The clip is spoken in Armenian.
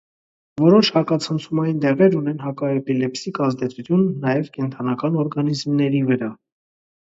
Որոշ հակացնցումային դեղեր ունեն հակաէպիլեպսիկ ազդեցություն նաև կենդանական օրգանիզմների վրա։